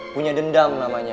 punya dendam namanya